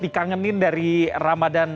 dikangenin dari ramadan